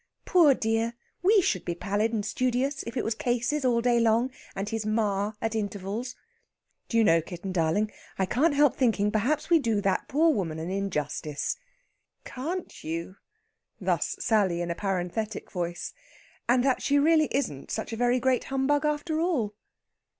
"Poor dear. We should be pallid and studious if it was cases all day long, and his ma at intervals." "Do you know, kitten darling, I can't help thinking perhaps we do that poor woman an injustice...." " Can't you?" Thus Sally in a parenthetic voice "... and that she really isn't such a very great humbug after all!"